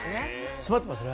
詰まってますね。